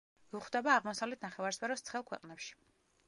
გვხვდება აღმოსავლეთ ნახევარსფეროს ცხელ ქვეყნებში.